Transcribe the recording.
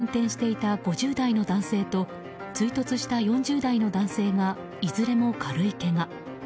この事故でワゴン車を運転していた５０代の男性と追突した４０代の男性がいずれも軽いけが。